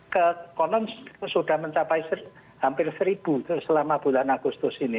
kekonon sudah mencapai hampir seribu selama bulan agustus ini